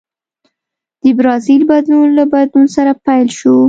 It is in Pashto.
د برازیل بدلون له بدلون سره پیل شو.